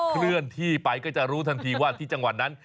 เคลื่อนที่ไปก็จะรู้ทันทีว่าที่จังหวัดนั้น